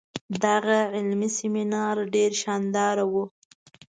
دغه علمي سیمینار ډیر شانداره وو.